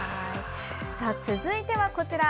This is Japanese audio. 続いてはこちら。